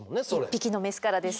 １匹のメスからです。